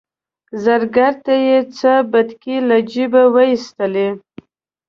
زرګر ته یې څه بتکۍ له جیبه وایستلې.